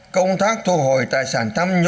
công tác thu hồi tài sản